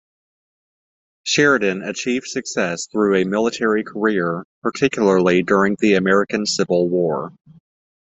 Sheridan achieved success through a military career, particularly during the American Civil War.